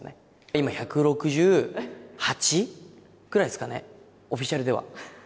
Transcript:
今、１６８くらいですかね、オフィシャルでは。